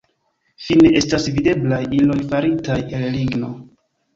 Fine estas videblaj iloj faritaj el ligno.